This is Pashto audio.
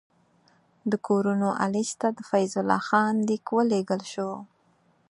د کورنوالیس ته د فیض الله خان لیک ولېږل شو.